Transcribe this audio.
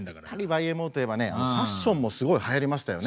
ＹＭＯといえばねファッションもすごいはやりましたよね。